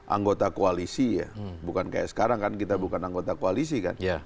anggota koalisi ya bukan kayak sekarang kan kita bukan anggota koalisi kan